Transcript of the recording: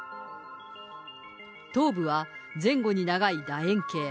頭部は前後に長いだ円形。